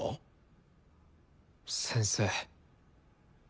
先生。